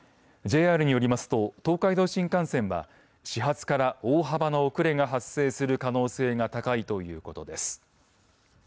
ＪＲによりますと東海道新幹線は始発から大幅な遅れが発生する可能性が高いということです。